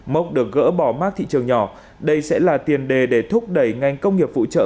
mốc được gỡ bỏ mác thị trường nhỏ đây sẽ là tiền đề để thúc đẩy ngành công nghiệp phụ trợ